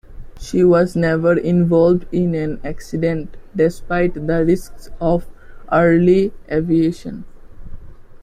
She was never involved in an accident, despite the risks of early aviation.